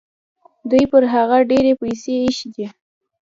دوی پر هغه ډېرې پیسې ایښي دي.